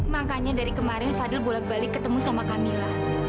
makanya dari kemarin fadil bolak balik ketemu sama kamila